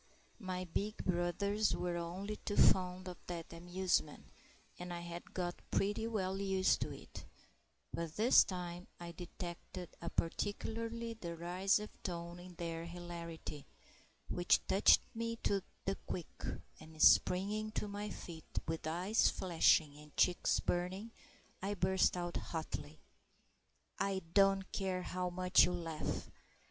My big brothers were only too fond of that amusement, and I had got pretty well used to it; but this time I detected a particularly derisive tone in their hilarity, which touched me to the quick, and springing to my feet, with eyes flashing and cheeks burning, I burst out hotly,— "I don't care how much you laugh.